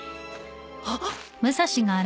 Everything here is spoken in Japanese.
あっ！？